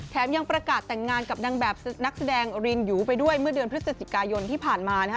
ยังประกาศแต่งงานกับนางแบบนักแสดงรินยูไปด้วยเมื่อเดือนพฤศจิกายนที่ผ่านมานะฮะ